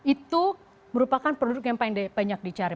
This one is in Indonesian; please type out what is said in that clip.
itu merupakan produk yang paling banyak dicari